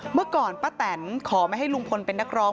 เมื่อก่อนป้าแตนขอไม่ให้ลุงพลเป็นนักร้อง